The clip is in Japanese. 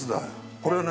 これは何？